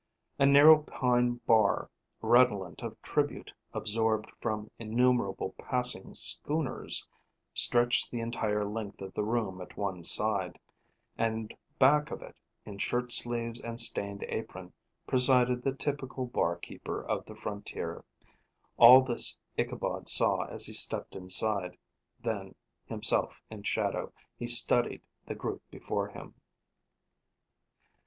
A narrow pine bar, redolent of tribute absorbed from innumerable passing "schooners," stretched the entire length of the room at one side; and back of it, in shirt sleeves and stained apron, presided the typical bar keeper of the frontier. All this Ichabod saw as he stepped inside; then, himself in shadow, he studied the group before him.